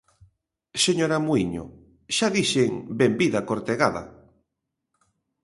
Señora Muíño, xa dixen benvida Cortegada.